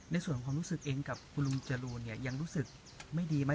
ในส่วนของความรู้สึกเองกับคุณลุงจรูนเนี่ยยังรู้สึกไม่ดีไหม